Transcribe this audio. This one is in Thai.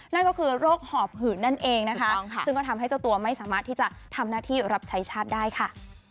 นั่นก็คือโรคหอบหืดนั่นเองนะคะซึ่งก็ทำให้เจ้าตัวไม่สามารถที่จะทำหน้าที่รับใช้ชาติได้ค่ะ